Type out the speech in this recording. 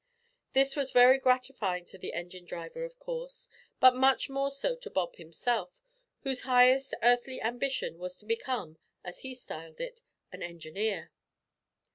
This was very gratifying to the engine driver of course, but much more so to Bob himself, whose highest earthly ambition was to become, as he styled it, an engineer.